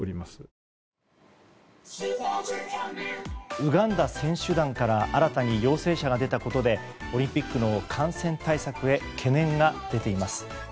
ウガンダ選手団から新たに陽性者が出たことでオリンピックの感染対策へ懸念が出ています。